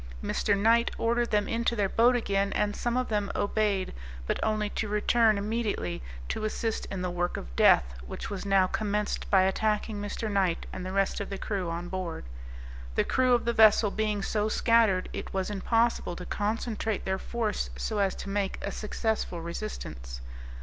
Mr. Knight ordered them into their boat again, and some of them obeyed, but only to return immediately to assist in the work of death, which was now commenced by attacking Mr. Knight and the rest of the crew on board. The crew of the vessel being so scattered, it was impossible to concentrate their force so as to make a successful resistance.